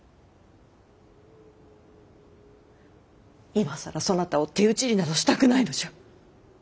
今さらそなたを手討ちになどしたくないのじゃ。